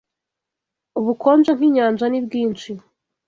Ubukonje nk'inyanja ni bwinshi